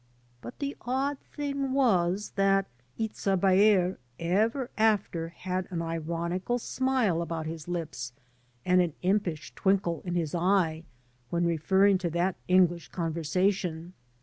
But the odd thing was that Itza Baer ever after had an ironical smile about his lips and an impish twinkle in his eye when referring to that English conversation.